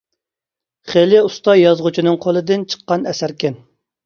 خېلى ئۇستا يازغۇچىنىڭ قولىدىن چىققان ئەسەركەن.